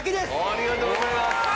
ありがとうございます！